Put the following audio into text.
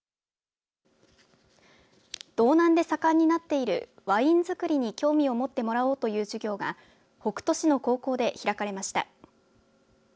道南で盛んになっているワイン造りに興味を持ってもらおうという授業が北斗市の高校で開かれました。